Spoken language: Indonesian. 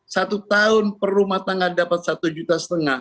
satu tahun per rumah tangga dapat satu lima juta